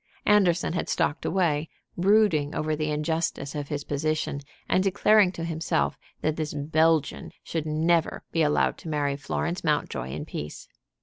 Anderson had stalked away, brooding over the injustice of his position, and declaring to himself that this Belgian should never be allowed to marry Florence Mountjoy in peace.